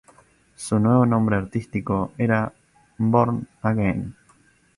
Su nuevo nombre artístico era "Borne Again".